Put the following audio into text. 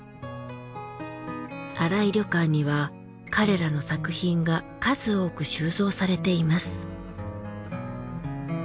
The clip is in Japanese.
新井旅館には彼らの作品が数多く収蔵されています。